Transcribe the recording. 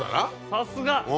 さすが。